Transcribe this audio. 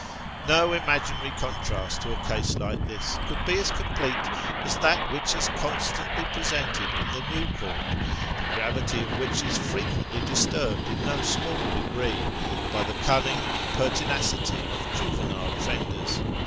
No imaginary contrast to a case like this, could be as complete as that which is constantly presented in the New Court, the gravity of which is frequently disturbed in no small degree, by the cunning and pertinacity of juvenile offenders.